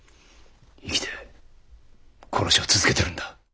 生きて殺しを続けてるんだ。